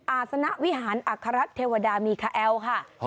อาศนวิหารอัครรัฐเทวดามีคาแอลค่ะ